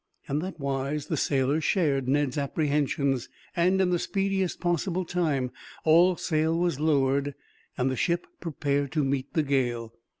In that wise the sailors shared Ned's apprehensions, and in the speediest possible time all sail was lowered, and the ship prepared to meet the gale.